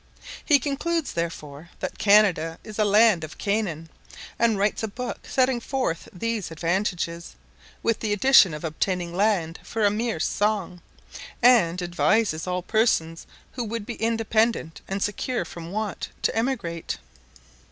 He concludes, therefore, that Canada is a land of Canaan, and writes a book setting forth these advantages, with the addition of obtaining land for a mere song; and advises all persons who would be independent and secure from want to emigrate.